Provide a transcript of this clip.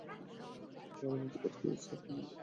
আনাড়ির মত কাজ করেছি, আর এর কোন অজুহাত নেই।